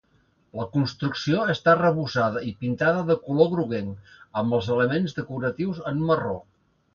La construcció està arrebossada i pintada de color groguenc, amb els elements decoratius en marró.